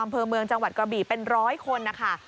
อำเภอเมืองจังหวัดกระบี่เป็นร้อยคนนะคะ